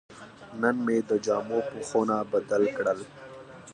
نن مې د جامو پوښونه بدل کړل.